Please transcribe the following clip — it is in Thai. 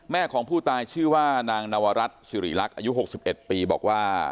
ของผู้ตายชื่อว่านางนวรัฐสิริรักษ์อายุ๖๑ปีบอกว่า